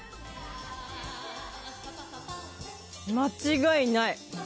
間違いない！